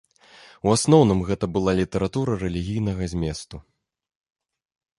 У асноўным гэта была літаратура рэлігійнага зместу.